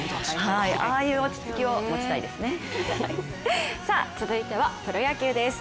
ああいう落ち着きを持ちたいですね。